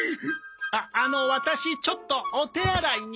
ああのワタシちょっとお手洗いに。